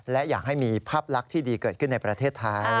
และอยากให้มีภาพลักษณ์ที่ดีเกิดขึ้นในประเทศไทย